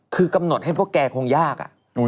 คือกำหนดให้พวกแกคงยาก